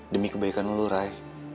demi kebaikan lo ray